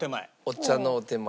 お茶のお点前。